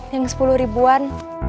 yang sepuluh ribuan